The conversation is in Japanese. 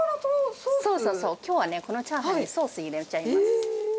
ソース、きょうはね、このチャーハンにソース入れちゃいます。